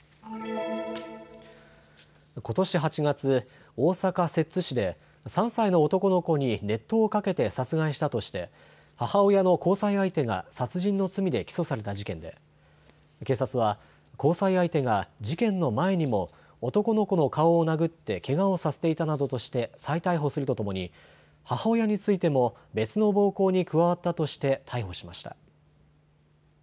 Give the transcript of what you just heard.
ことし８月、大阪摂津市で３歳の男の子に熱湯をかけて殺害したとして母親の交際相手が殺人の罪で起訴された事件で警察は交際相手が事件の前にも男の子の顔を殴ってけがをさせていたなどとして再逮捕するとともに母親についても別の暴行に加わったとして逮捕しました。